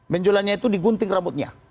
benjolannya itu digunting rambutnya